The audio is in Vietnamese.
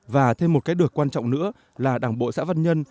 và thêm một cái được quan trọng nữa là đảng bộ xã văn nhân